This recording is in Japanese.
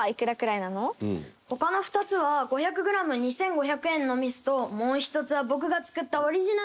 他の２つは５００グラム２５００円の味噌ともう１つは僕が作ったオリジナル味噌です。